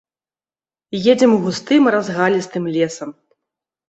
Едзем густым разгалістым лесам.